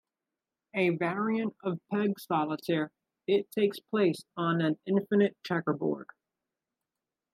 A variant of peg solitaire, it takes place on an infinite checkerboard.